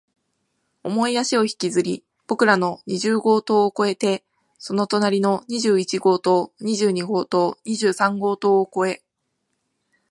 重い足を引きずり、僕らの二十号棟を越えて、その隣の二十一号棟、二十二号棟、二十三号棟を越え、